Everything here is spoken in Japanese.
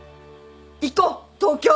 行こう東京。